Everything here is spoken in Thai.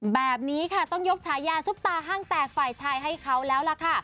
แบบนี้ค่ะต้องยกฉายาซุปตาห้างแตกฝ่ายชายให้เขาแล้วล่ะค่ะ